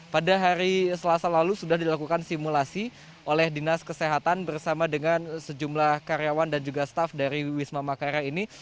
pada hari selasa lalu sudah dilakukan simulasi oleh dinas kesehatan bersama dengan sejumlah karyawan dan juga staff dari wisma makara ini